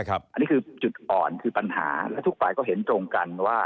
อันนี้คือจุดอ่อนคือปัญหาและทุกฝ่ายก็เห็นตรงกันว่า